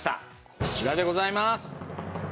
こちらでございます。